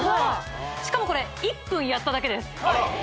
しかもこれ１分やっただけです